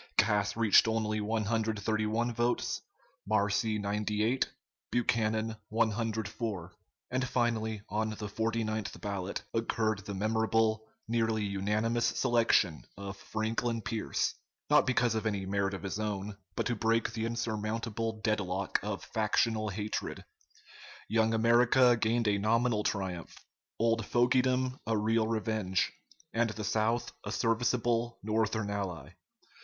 Cass reached only 131 votes; Marcy, 98; Buchanan, 104; and finally, on the 49th ballot, occurred the memorable nearly unanimous selection of Franklin Pierce not because of any merit of his own, but to break the insurmountable dead lock of factional hatred. Young America gained a nominal triumph, old fogydom a real revenge, and the South a serviceable Northern ally.